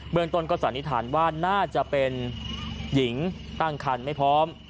เมืองต้นก็สันนิษฐานว่าน่าจะเป็นหญิงตั้งคันไม่พร้อม